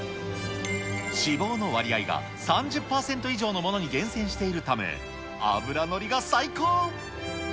脂肪の割合が３０％以上のものに厳選しているため、脂乗りが最高。